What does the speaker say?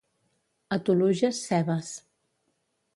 A Toluges, cebes.